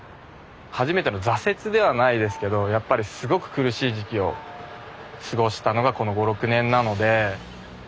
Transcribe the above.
初めての挫折ではないですけどやっぱりすごく苦しい時期を過ごしたのがこの５６年なので。